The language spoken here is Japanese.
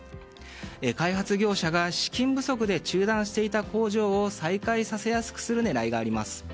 開発業者が資金不足で中断していた工事を再開させやすくする狙いがあります。